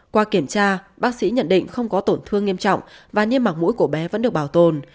qua kiểm tra bác sĩ nhận định không có tổn thương nghiêm trọng và niêm mạc mũi của bé vẫn được bảo tồn